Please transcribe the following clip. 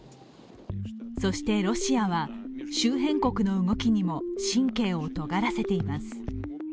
そしてロシアは周辺国の動きにも神経を尖らせています。